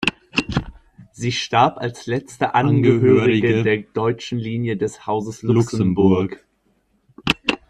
Sie starb als letzte Angehörige der deutschen Linie des Hauses Luxemburg.